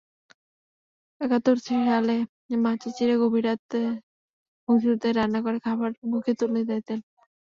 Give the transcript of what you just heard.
একাত্তর সালে মা-চাচিরা গভীর রাতে মুক্তিযোদ্ধাদের রান্না করে খাবার মুখে তুলে দিতেন।